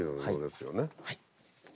はい。